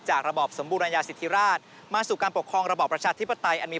ระบอบสมบูรณญาสิทธิราชมาสู่การปกครองระบอบประชาธิปไตยอันนี้